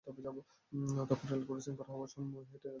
তখন রেলক্রসিং পার হওয়ায় সময় ট্রেনের ধাক্কায় সুলতানা গুরুতর আহত হন।